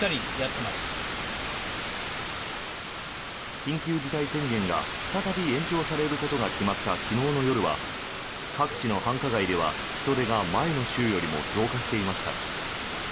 緊急事態宣言が再び延長されることが決まった昨日の夜は各地の繁華街では人出が前の週よりも増加していました。